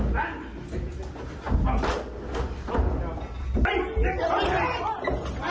เธอไม่เห็นมากฆี่กับคุณและเจอ